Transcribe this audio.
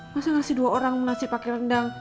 masa ngasih dua orang mau nasi pakai rendang